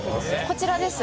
こちらです」